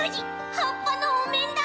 はっぱのおめんだ！